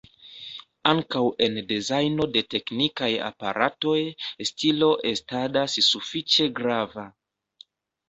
Ankaŭ en dezajno de teknikaj aparatoj stilo estadas sufiĉe grava.